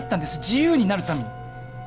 自由になるために。